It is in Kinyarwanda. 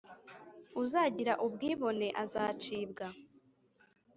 Uzagira ubwibone azacibwa